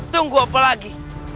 tunggu apa lagi